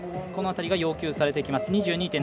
この辺りが要求されてきます。